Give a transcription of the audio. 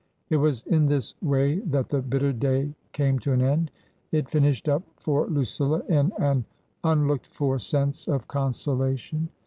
It was in this way that the bitter day came to an end. It finished up for Lucilla in an unlooked for sense of 262 TRANSITION. consolation.